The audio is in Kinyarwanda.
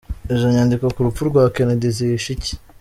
Izo nyandiko ku rupfu rwa Kennedy zihishe iki?.